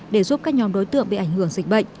để giúp các nhóm đối tượng bị ảnh hưởng dịch bệnh